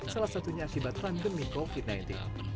salah satunya akibat pandemi covid sembilan belas